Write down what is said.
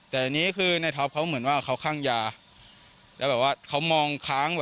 แต่อันนี้คือในท็อปเขาเหมือนว่าเขาคั่งยาแล้วแบบว่าเขามองค้างเหรอ